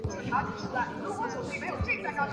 也有些小公司还接受特制的订单。